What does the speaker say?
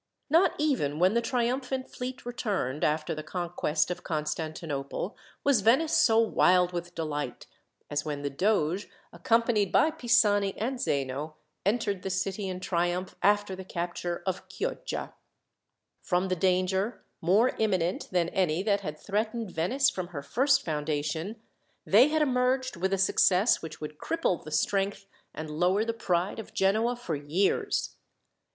Not even when the triumphant fleet returned, after the conquest of Constantinople, was Venice so wild with delight, as when the doge, accompanied by Pisani and Zeno, entered the city in triumph after the capture of Chioggia. From the danger, more imminent than any that had threatened Venice from her first foundation, they had emerged with a success which would cripple the strength, and lower the pride of Genoa for years.